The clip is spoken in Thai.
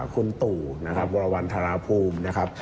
คุณตู่นะครับวรวรรณฑราภูมินะครับ